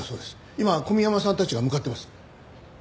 今小宮山さんたちが向かっています。